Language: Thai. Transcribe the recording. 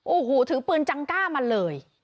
โอ้โหถือปืนจังก้ามาเลย